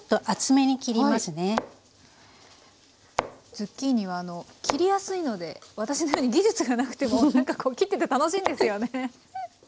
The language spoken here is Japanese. ズッキーニは切りやすいので私のように技術が無くてもなんかこう切ってて楽しいんですよね。